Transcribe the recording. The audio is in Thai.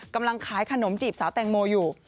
กำลังขายขนมจีบสาวแตงโมอยู่